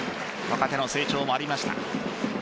若手の成長もありました。